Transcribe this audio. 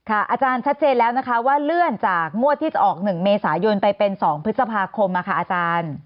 อาจารย์ชัดเจนแล้วนะคะว่าเลื่อนจากงวดที่จะออก๑เมษายนไปเป็น๒พฤษภาคมอาจารย์